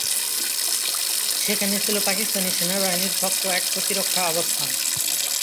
সেখানে ছিল পাকিস্তানি সেনাবাহিনীর শক্ত এক প্রতিরক্ষা অবস্থান।